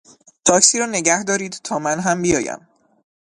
تاکسی را نگهدارید تا من هم بیایم.